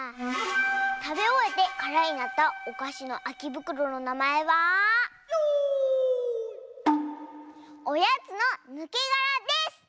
たべおえてからになったおかしのあきぶくろのなまえは「おやつのぬけがら」です！